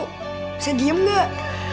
bisa diem gak